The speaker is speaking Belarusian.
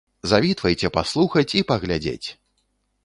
Завітвайце паслухаць і паглядзець!